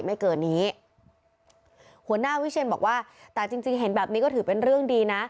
ไม่เกินนี้หัวหน้าวิเชียนบอกว่าแต่จริงจริงเห็นแบบนี้ก็ถือเป็นเรื่องดีนะ